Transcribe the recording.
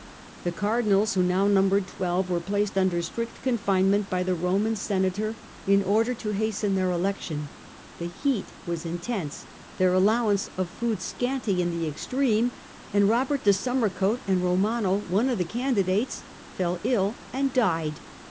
The Cardinals, who now numbered twelve, were placed under strict confinement by the Roman Senator in order to hasten their election. The heat was intense, their allowance of food scanty in the extreme, and Robert de Summercote and Romano, one of the candi dates, fell ill and died.